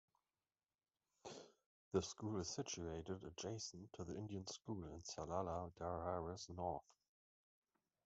The school is situated adjacent to the Indian School in Salalah Dahariz north.